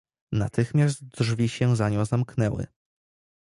"Natychmiast drzwi się za nią zamknęły."